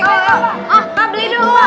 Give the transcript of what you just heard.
ah beli dulu